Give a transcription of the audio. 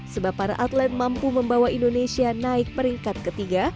sebab para atlet mampu membawa indonesia naik peringkat ketiga